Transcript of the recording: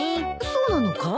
そうなのか？